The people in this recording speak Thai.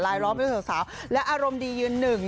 ล้อมไปด้วยสาวและอารมณ์ดียืนหนึ่ง